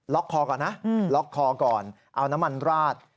คอก่อนนะล็อกคอก่อนเอาน้ำมันราด